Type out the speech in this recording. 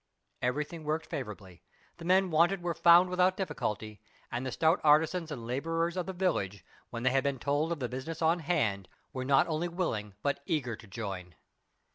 Everything worked favorably. The men wanted were found without difficulty; and the stout artisans and laborers of the village, when they had been told of the business on hand, were not only willing but eager to join.